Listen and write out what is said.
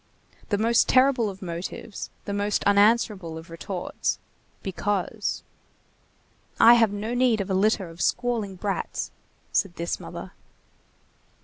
The most terrible of motives, the most unanswerable of retorts—Because. "I have no need of a litter of squalling brats," said this mother.